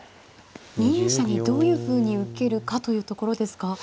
２二飛車にどういうふうに受けるかというところですか。